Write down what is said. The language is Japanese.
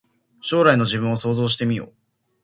将来の自分を想像してみよう